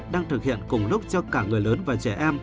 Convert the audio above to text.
đang thực hiện cùng lúc cho cả người lớn và trẻ em